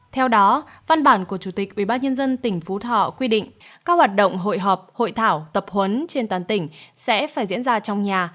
theo đó văn bản của chủ tịch ubnd tỉnh phú thọ quy định các hoạt động hội họp hội thảo tập huấn trên toàn tỉnh sẽ phải diễn ra trong nhà